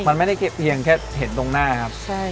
มันไม่ได้แค่เห็นตรงหน้าครับใช่